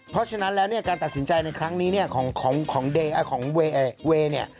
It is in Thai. เพราะฉะนั้นแล้วเนี่ยการตัดสินใจในครั้งนี้เนี่ยของเวย์เนี่ย